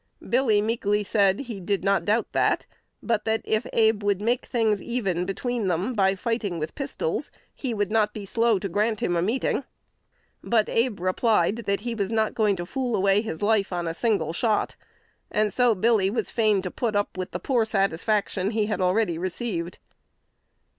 Billy meekly said "he did not doubt that," but that, if Abe would make things even between them by fighting with pistols, he would not be slow to grant him a meeting. But Abe replied that he was not going "to fool away his life on a single shot;" and so Billy was fain to put up with the poor satisfaction he had already received.